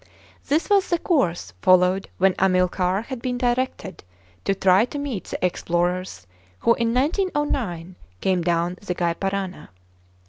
This was the course followed when Amilcar had been directed to try to meet the explorers who in 1909 came down the Gy Parana.